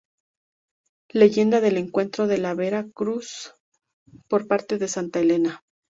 Leyenda del encuentro de la Vera Cruz por parte de Santa Elena.